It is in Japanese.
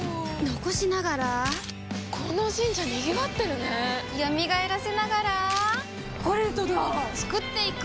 残しながらこの神社賑わってるね蘇らせながらコレドだ創っていく！